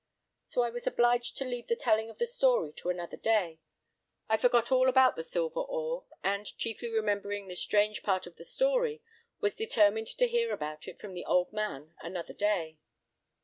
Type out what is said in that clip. "So I was obliged to leave the telling of the story to another day. I forgot all about the silver ore, and, chiefly remembering the strange part of the story, was determined to hear about it from the old man another day.